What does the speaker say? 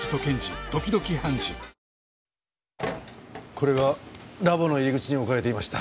これがラボの入り口に置かれていました。